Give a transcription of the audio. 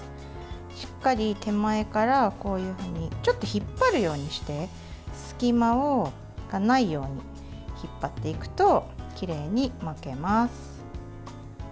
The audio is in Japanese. しっかり手前からちょっと引っ張るようにして隙間がないように引っ張っていくときれいに巻けます。